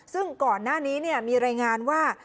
ซึ่งก่อนหน้านี้มีรายงานว่า